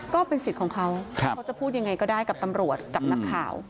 ก็เป็นสิทธิ์ของเขาเขาจะพูดยังไงก็ได้กับตำรวจกับนักข่าว